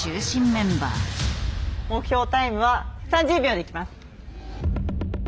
目標タイムは３０秒でいきます。